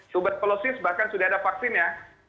tuberkulosis bahkan sudah ada vaksinnya